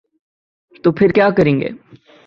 تو پھر کیا کریں گے؟